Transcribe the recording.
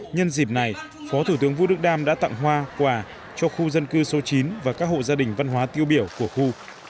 nhân dịp này phó thủ tướng vũ đức đam đã tặng hoa quà cho khu dân cư số chín và các hộ gia đình văn hóa tiêu biểu của khu